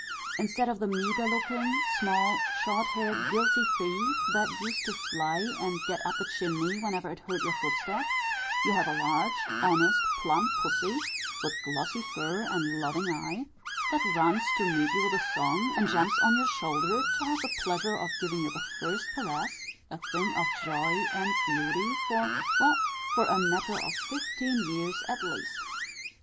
Instead of the meagre looking, small, short haired, guilty thief, that used to fly and get up the chimney whenever it heard your footstep, you have a large, honest, plump pussy, with glossy fur and loving eye, that runs to meet you with a song, and jumps on your shoulder to have the pleasure of giving you the first caress a thing of joy and beauty for , well, for a matter of fifteen years at least.